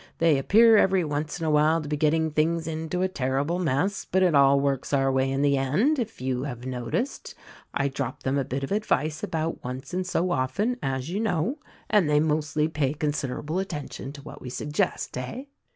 They appear every once in a while to be getting things into a terrible mess ; but it all works our way in the end — if you have noticed. I drop them a bit of advice about once in so often — as you know — and they mostly pay considerable attention to what we sug gest, Eh